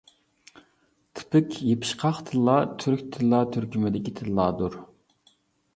تىپىك يېپىشقاق تىللار تۈرك تىللار تۈركۈمىدىكى تىللاردۇر.